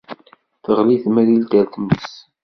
Teɣli temrilt ar tmes.